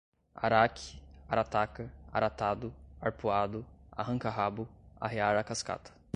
araque, arataca, aratado, arpuado, arranca rabo, arrear a cascata